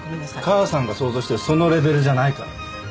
母さんが想像してるそのレベルじゃないからね。